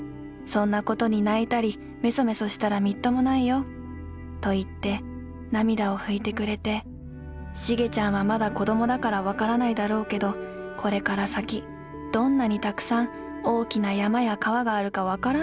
そんな事に泣いたりめそめそしたらみっともないよ』といって涙を拭いてくれて『茂ちゃんはまだ子供だからわからないだろうけどこれから先どんなにたくさん大きな山や河があるかわからないんだヨ。